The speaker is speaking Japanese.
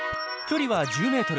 距離は１０ｍ。